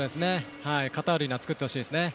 カタールに作ってほしいですね。